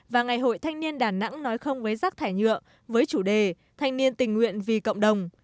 và ngày hội thanh niên đà nẵng nói không với rác thải nhựa với chủ đề thanh niên tình nguyện vì cộng đồng